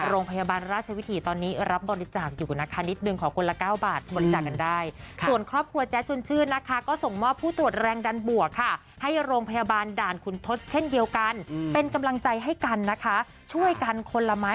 โรงพยาบาลราชวิถีตอนนี้รับบริจาคอยู่นะคะนิดนึงขอคนละ๙บาทบริจาคกันได้